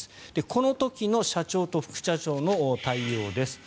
この時の社長と副社長の対応です。